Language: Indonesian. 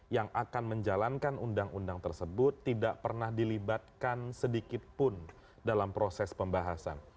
yang akan menjalankan undang undang tersebut tidak pernah dilibatkan sedikitpun dalam proses pembahasan